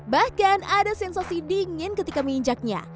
bahkan ada sensasi dingin ketika menginjaknya